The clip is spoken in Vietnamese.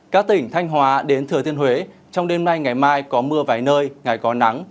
các tỉnh thanh hóa đến thừa thiên huế trong đêm nay ngày mai có mưa vài nơi ngày có nắng